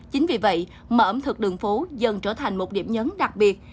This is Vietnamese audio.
chính vì vậy mà ẩm thực đường phố dần trở thành một điểm nhấn đặc biệt